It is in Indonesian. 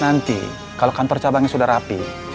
nanti kalau kantor cabangnya sudah rapi